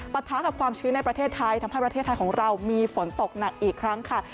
ท้ากับความชื้นในประเทศไทยทำให้ประเทศไทยของเรามีฝนตกหนักอีกครั้งค่ะ